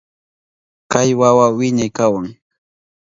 Kay wawa wiñay wakan.